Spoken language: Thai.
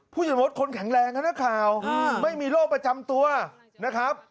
ผู้ใหญ่มดคนแข็งแรงนะนักข่าวไม่มีโรคประจำตัวนะครับ